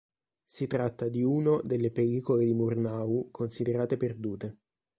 Si tratta di uno delle pellicole di Murnau considerate perdute.